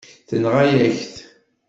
Tenɣa-yak-t.